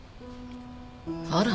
あら。